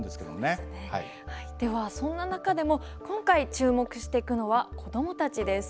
ではそんな中でも今回注目していくのは子どもたちです。